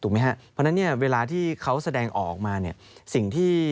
ถูกไหมฮะเพราะฉะนั้นเนี่ยเวลาที่เขาแสดงออกมาเนี่ย